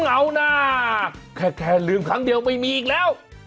เอานะแค่ลืมครั้งเดียวไม่มีอีกแล้ว